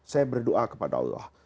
saya berdoa kepada allah